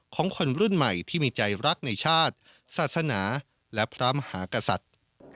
ของคนรุ่นใหม่ที่มีใจรักในชาติศาสนาและพระมหากษัตริย์